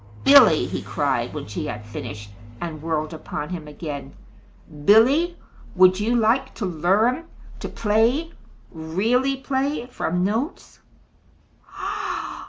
"Billy," he cried, when she had finished and whirled upon him again, "Billy, would you like to learn to play really play from notes?"